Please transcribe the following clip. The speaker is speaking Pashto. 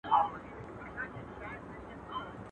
خدای دي په حیا کي را زړه که پر ما ګراني !.